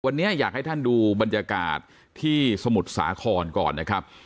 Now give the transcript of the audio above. วันนี้อยากให้ท่านดูบรรยากาศที่สมุทรสาครก่อนนะครับ